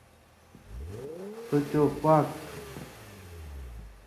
سو چو پاک تھُو،